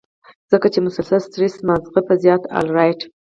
ځکه چې مسلسل سټرېس مازغۀ پۀ زيات الرټ